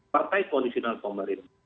partai koalisional kemarin